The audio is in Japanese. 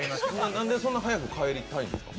何でそんな早く帰りたいんですか？